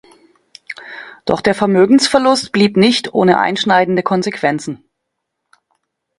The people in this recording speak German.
Doch der Vermögensverlust blieb nicht ohne einschneidende Konsequenzen.